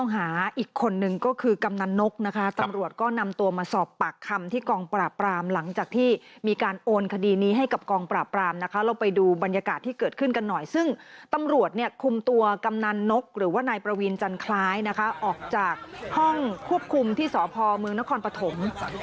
ห้องควบคุมที่สอบฮอล์เมืองนครปฐม